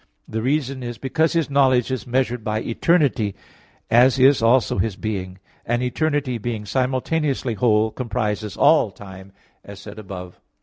The reason is because His knowledge is measured by eternity, as is also His being; and eternity being simultaneously whole comprises all time, as said above (Q.